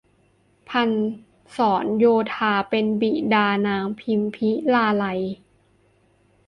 พันศรโยธาเป็นบิดานางพิมพิลาไลย